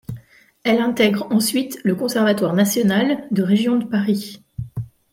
Elle intègre ensuite le Conservatoire National de Région de Paris.